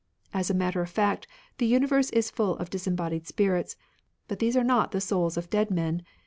.... As a matter of fact, the universe is full of dis embodied spirits, but these are not the souls of dead men.